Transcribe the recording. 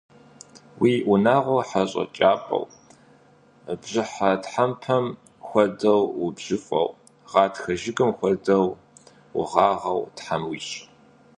Уи унагъуэр хьэщӏэ кӏуапӏэу, бжьыхьэ тхьэмпэм хуэдэу убжьыфӏэу, гъатхэ жыгым хуэдэу угъагъэу Тхьэм уищӏ!